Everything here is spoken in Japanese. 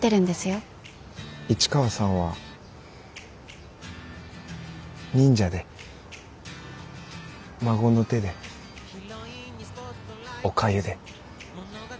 市川さんは忍者で孫の手でおかゆで。